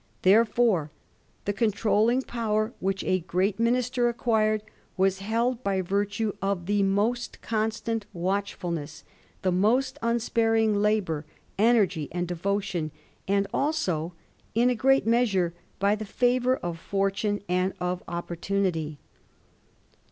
Therefore, the controlling power which a great minister acquired was held by virtue of the most constant watchfulness,, the most unsparing labour, energy, and devotion, and also in a great measure by the favour of fortune and of opportunity.